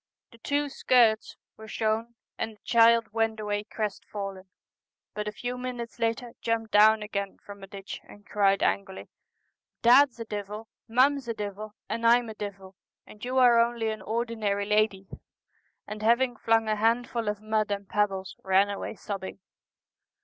The 'two skirts' were shown, and the child went away crest fallen, but a few minutes later jumped down again from the ditch, and cried angrily, ' Dad's a divil, mum's a divil, and I'm a divil, and you are only an ordinary 171 The lady,' and having flung a handful of mud Celtic Twilight, and pebbles ran away sobbing.